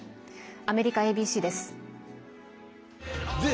アメリカＡＢＣです。